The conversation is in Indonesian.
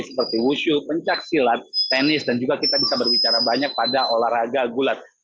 seperti wushu pencaksilat tenis dan juga kita bisa berbicara banyak pada olahraga gulat